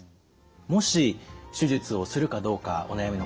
もし手術をするかどうかお悩みの方